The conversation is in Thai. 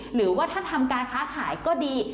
หรือว่าถ้าทำการค้าขายก็ดี